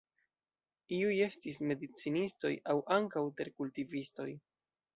Iuj estis medicinistoj aŭ ankaŭ terkultivistoj.